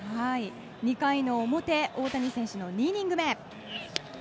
２回の表、大谷選手の２イニング目。